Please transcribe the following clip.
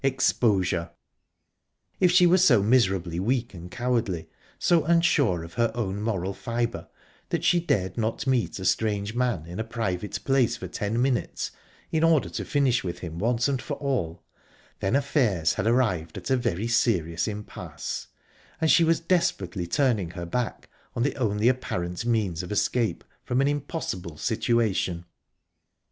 exposure! If she were so miserably weak and cowardly, so unsure of her own moral fibre, that she dared not meet a strange man in a private place for ten minutes, in order to finish with him once for all, then affairs had arrived at a very serious impasse, and she was deliberately turning her back on the only apparent means of escape from an impossible situation.